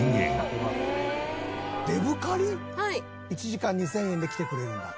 １時間２０００円で来てくれるんだ？